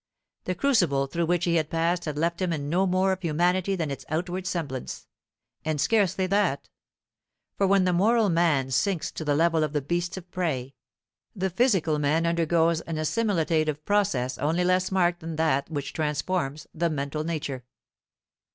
The crucible through which he had passed had left in him no more of humanity than its outward semblance, and scarcely that; for when the moral man sinks to the level of the beasts of prey, the physical man undergoes an assimilative process only less marked than that which transforms the mental nature.